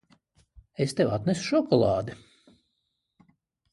Es tev atnesu šokolādi.